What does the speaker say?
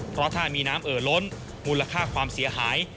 เพราะถ้ามีน้ำเอ่อล้นมูลค่าความเสียหาย